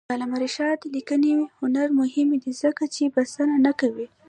د علامه رشاد لیکنی هنر مهم دی ځکه چې بسنه نه کوي.